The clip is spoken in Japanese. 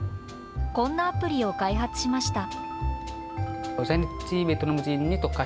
こんなアプリを開発しました。